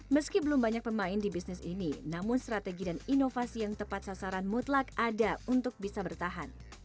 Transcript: meski belum banyak pemain di bisnis ini namun strategi dan inovasi yang tepat sasaran mutlak ada untuk bisa bertahan